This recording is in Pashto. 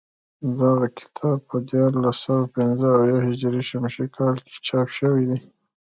دغه کتاب په دیارلس سوه پنځه اویا هجري شمسي کال کې چاپ شوی دی